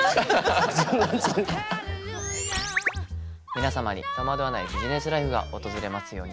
皆様に戸惑わないビジネスライフが訪れますように。